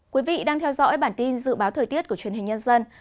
quý vị đang theo dõi bản tin dự báo thời tiết của truyền hình nhân dân